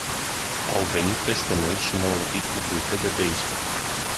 Au venit peste noi și ne-au lovit cu bâte de baseball.